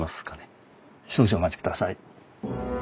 少々お待ちください。